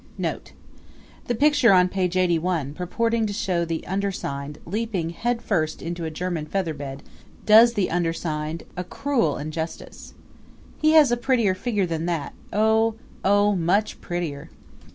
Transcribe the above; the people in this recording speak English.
NOTE The picture on page 81 purporting to show the undersigned leaping head first into a German feather bed does the undersigned a cruel injustice. He has a prettier figure than that oh, oh, much prettier!